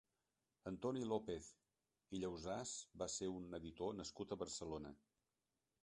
Antoni López i Llausàs va ser un editor nascut a Barcelona.